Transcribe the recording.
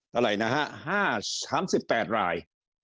เท่าไรนะฮะ๓๘ลาย